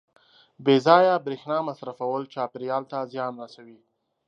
• بې ځایه برېښنا مصرفول چاپېریال ته زیان رسوي.